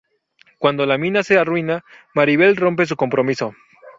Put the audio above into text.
Cuando la mina se arruina, Maribel rompe su compromiso.